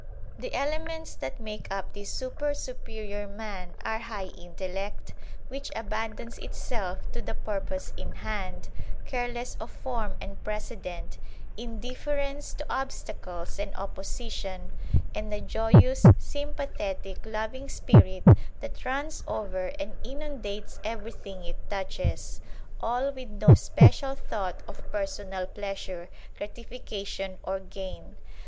The elements that make up this super superior man are high intellect, which abandons itself to the purpose in hand, careless of form and precedent; indifference to obstacles and opposition; and a joyous, sympathetic, loving spirit that runs over and inundates everything it touches, all with no special thought of personal pleasure, gratification or gain.